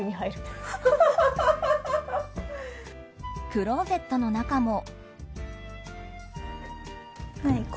クローゼットの中も。